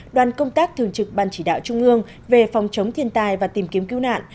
đoàn công tác thường trực ban chỉ đạo trung ương về phòng chống thiên tai và tìm kiếm cứu nạn